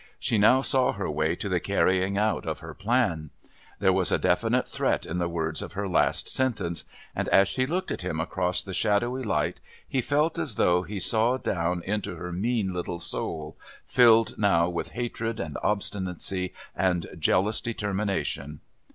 She now saw her way to the carrying out of her plan. There was a definite threat in the words of her last sentence, and as she looked at him across the shadowy light he felt as though he saw down into her mean little soul, filled now with hatred and obstinacy and jealous determination.